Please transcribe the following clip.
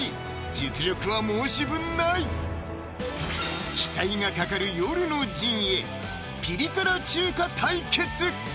実力は申し分ない期待が懸かる夜の陣へピリ辛中華対決！